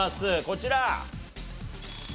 こちら！